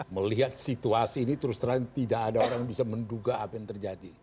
melihat situasi ini terus terang tidak ada orang yang bisa menduga apa yang terjadi